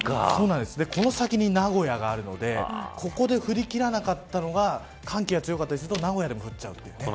この先に名古屋があるのでここで降り切らなかったのが寒気が強かったりすると名古屋でも降っちゃうという。